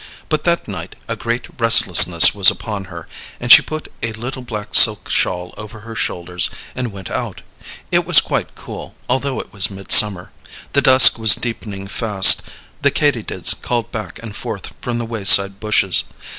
But that night a great restlessness was upon her, and she put a little black silk shawl over her shoulders and went out. It was quite cool, although it was midsummer. The dusk was deepening fast; the katydids called back and forth from the wayside bushes.